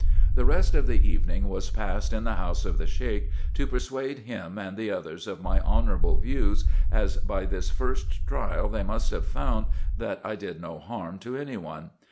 The rest of the evening was passed in the house of the Sheik, to persuade him and the others of my honourable views, as by this first trial they must have found that I did no harm to any one.